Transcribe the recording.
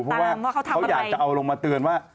เพราะว่าเขาอยากจะเอาลงมาเตือนว่า